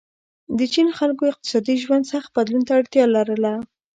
د چین خلکو اقتصادي ژوند سخت بدلون ته اړتیا لرله.